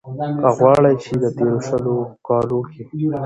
که غواړۍ ،چې د تېرو شلو کالو کې